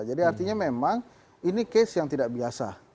jadi artinya memang ini kes yang tidak biasa